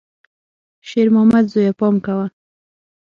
شېرمامده زویه، پام کوه!